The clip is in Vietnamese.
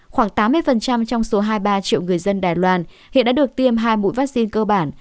khoảng tám mươi trong số hai mươi ba triệu người dân đài loan hiện đã được tiêm hai mũi vaccine cơ bản